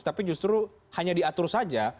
tapi justru hanya diatur saja